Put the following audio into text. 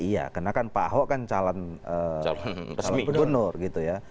iya karena kan pak ahok kan calon gubernur gitu ya